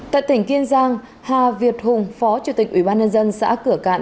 tại tỉnh kiên giang hà việt hùng phó chủ tịch ủy ban nhân dân xã cửa cạn